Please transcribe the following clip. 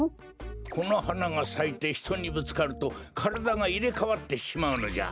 このはながさいてひとにぶつかるとからだがいれかわってしまうのじゃ！